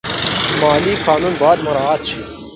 مالي قانون باید مراعات شي.